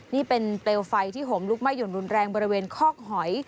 นี่เป็นเปลวไฟที่ห่มลุกไหม้หย่นรุนแรงบริเวณคอกหอย